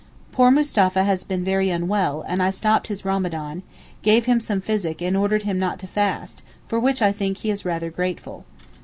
Poor Mustapha has been very unwell and I stopped his Ramadan, gave him some physic and ordered him not to fast, for which I think he is rather grateful.